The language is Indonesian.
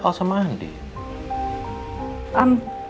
al dan andin